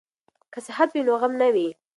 که صحت وي نو غم نه وي.